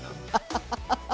ハハハハハ！